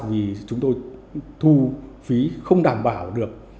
vì chúng tôi thu phí không đảm bảo được